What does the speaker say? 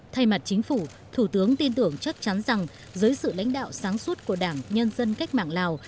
thay mặt chính phủ thủ tướng tin tưởng chắc chắn rằng dưới sự lãnh đạo sáng suốt của đảng nhân dân cách mạng lào